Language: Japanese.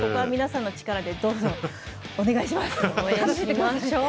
皆さんの力でどうぞお願いします。